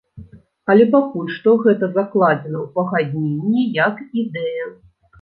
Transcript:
Але пакуль што гэта закладзена ў пагадненне як ідэя.